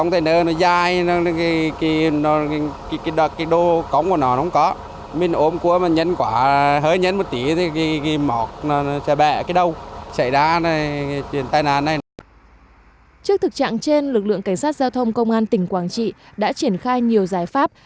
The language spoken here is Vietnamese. trước thực trạng trên lực lượng cảnh sát giao thông công an tỉnh quảng trị đã triển khai nhiều giải pháp